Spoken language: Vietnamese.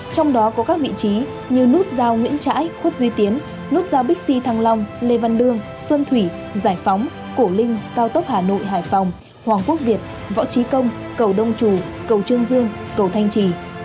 trong đó có các vị trí như nút giao nguyễn trãi khuất duy tiến nút giao bixi thăng long lê văn lương xuân thủy giải phóng cổ linh cao tốc hà nội hải phòng hoàng quốc việt võ trí công cầu đông trù cầu trương dương cầu thanh trì